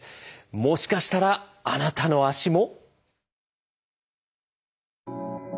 もしかしたらあなたの足も。